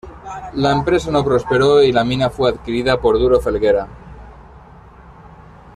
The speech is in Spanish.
La empresa no prosperó y la mina fue adquirida por Duro Felguera.